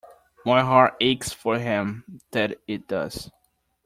My heart aches for him; that it does!